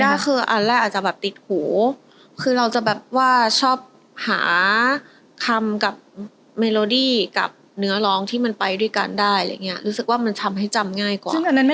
ธีมปีได้คืออันแรกอาจจะแบบติดหูคือเราจะแบบว่าชอบหาคำกับอาทิตย์กับเนื้อร้องที่มันไปด้วยการได้อย่างเงี้ยรู้สึกว่ามันทำให้จำง่ายกว่า